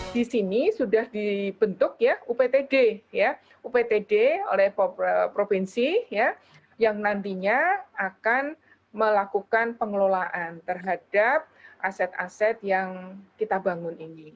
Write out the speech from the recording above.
di sini sudah dibentuk ya uptd oleh provinsi yang nantinya akan melakukan pengelolaan terhadap aset aset yang kita bangun ini